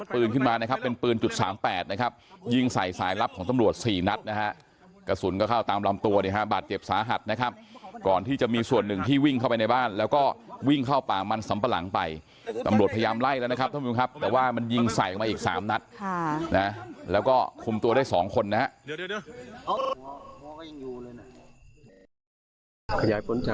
ตำรวจ๔นัดนะฮะกระสุนก็เข้าตามลำตัวเนี่ยฮะบาดเจ็บสาหัสนะครับก่อนที่จะมีส่วนหนึ่งที่วิ่งเข้าไปในบ้านแล้วก็วิ่งเข้าปากมันสำปะหลังไปตำรวจพยายามไล่แล้วนะครับท่านผู้ชมครับแต่ว่ามันยิงใส่มาอีก๓นัดแล้วก็คุมตัวได้๒คนนะฮะ